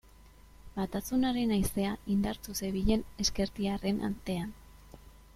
Batasunaren haizea indartsu zebilen ezkertiarren artean.